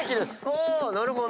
おなるほど。